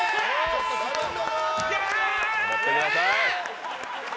頑張ってください。